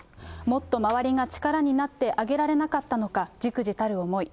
もっと周りが力になってあげられなかったのか、じくじたる思い。